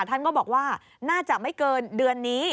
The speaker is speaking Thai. ท่านก็บอกว่าน่าจะไม่เกินเดือนนี้